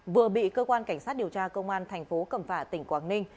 vừa bị cơ quan cảnh sát điều tra công an thành phố cẩm phả tỉnh quảng ninh